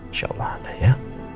insya allah ada ya